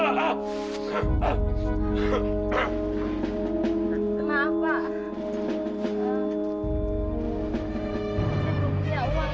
saya belum punya uang pak